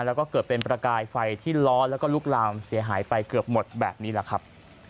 แล้วก็เกิดเป็นประกายไฟที่ล้อแล้วก็ลุกลามเสียหายไปเกือบหมดแบบนี้แหละครับ